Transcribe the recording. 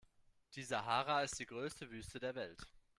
Die Sahara ist die größte Wüste der Welt.